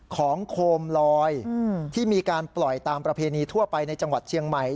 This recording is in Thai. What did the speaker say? โคมลอยที่มีการปล่อยตามประเพณีทั่วไปในจังหวัดเชียงใหม่